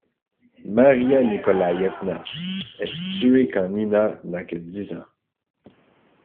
Maria Nikolayevna est tuée quand Nina n'a que dix ans.